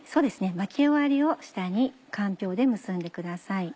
巻き終わりを下にかんぴょうで結んでください。